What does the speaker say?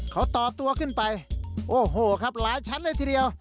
เขาต่อตัวขึ้นไปโอ้โหครับหลายชั้นเลยทีเดียว